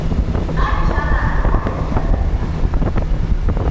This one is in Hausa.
Aisha na alfahari da kanta.